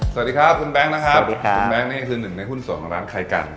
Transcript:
สวัสดีครับคุณแบงค์นะครับคุณแบงค์นี่ก็คือหนึ่งในหุ้นส่วนของร้านไข่กัน